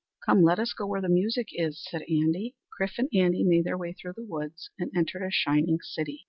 "Come, let us go where the music is!" said Andy. Chrif and Andy made their way through the woods and entered a shining city.